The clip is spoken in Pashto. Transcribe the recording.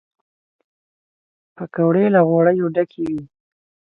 پکورې له غوړیو ډکې وي